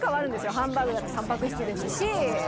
ハンバーグだってタンパク質ですし。